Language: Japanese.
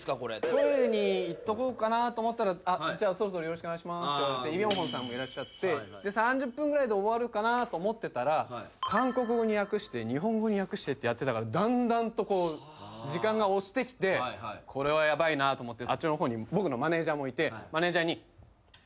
トイレに行っとこうかなと思ったら「そろそろよろしくお願いします」って言われてイ・ビョンホンさんもいらっしゃって３０分ぐらいで終わるかなと思ってたら韓国語に訳して日本語に訳してってやってたからだんだんと時間が押してきてこれはヤバいなと思ってあっちの方に僕のマネジャーもいてマネジャーに。